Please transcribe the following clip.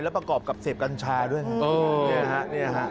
และประกอบกับเสพกัญชาด้วยครับ